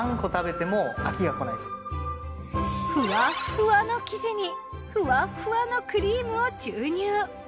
ふわふわの生地にふわふわのクリームを注入。